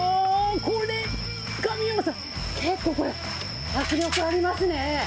これ、神山さん、結構これ、迫力ありますね。